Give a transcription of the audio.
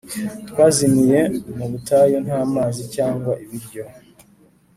twazimiye mu butayu nta mazi cyangwa ibiryo.